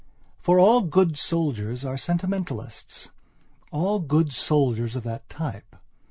For all good soldiers are sentimentalistsall good soldiers of that type.